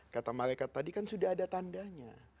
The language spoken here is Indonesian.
kata malaikat tadi kan sudah ada tandanya